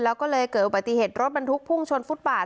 แล้วก็เลยเกิดอุบัติเหตุรถบรรทุกพุ่งชนฟุตบาท